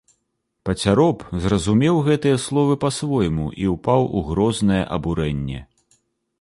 Пацяроб зразумеў гэтыя словы па-свойму і ўпаў у грознае абурэнне.